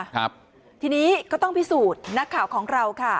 ครับทีนี้ก็ต้องพิสูจน์นักข่าวของเราค่ะ